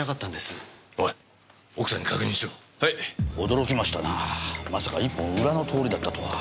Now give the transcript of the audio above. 驚きましたなあまさか一本裏の通りだったとは。